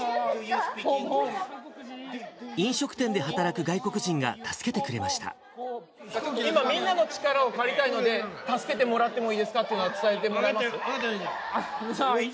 飲食店で働く外国人が助けて今、みんなの力を借りたいので、助けてもらってもいいですかというのを伝えてもらえますか。